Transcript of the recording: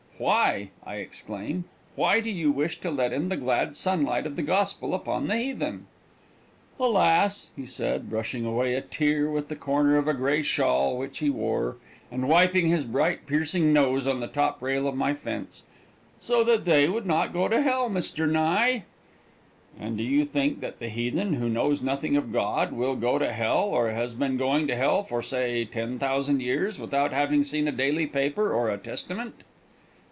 "Why," I exclaimed, "why do you wish to let in the glad sunlight of the gospel upon the heathen?" "Alas!" he said, brushing away a tear with the corner of a gray shawl which he wore, and wiping his bright, piercing nose on the top rail of my fence, "so that they would not go to hell, Mr. Nye!" "And do you think that the heathen who knows nothing of God will go to hell, or has been going to hell for, say, ten thousand years, without having seen a daily paper or a Testament?"